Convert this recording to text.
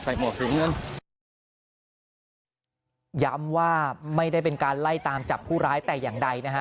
หมวกสีเงินย้ำว่าไม่ได้เป็นการไล่ตามจับผู้ร้ายแต่อย่างใดนะฮะ